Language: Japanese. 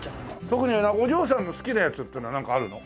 特にお嬢さんが好きなやつっていうのはなんかあるの？